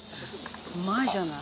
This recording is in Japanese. うまいじゃない。